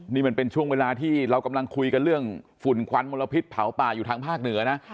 นี่มันเป็นช่วงเวลาที่เรากำลังคุยกันเรื่องฝุ่นควันมลพิษเผาป่าอยู่ทางภาคเหนือนะ